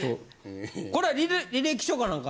・これは履歴書か何か？